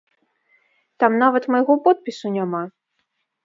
Там нават майго подпісу няма.